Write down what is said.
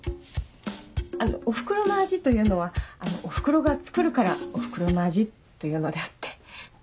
あのおふくろの味というのはおふくろが作るからおふくろの味というのであって。